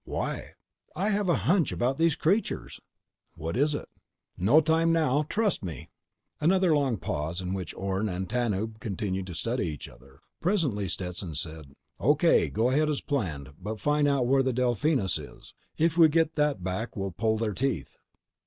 _ "Why?" "I have a hunch about these creatures." "What is it?" "No time now. Trust me." Another long pause in which Orne and Tanub continued to study each other. Presently, Stetson said: "O.K. Go ahead as planned. But find out where the Delphinus _is! If we get that back we pull their teeth."